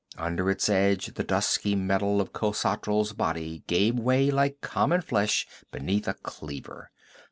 Under its edge the dusky metal of Khosatral's body gave way like common flesh beneath a cleaver.